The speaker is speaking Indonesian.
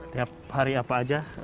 tiap hari apa aja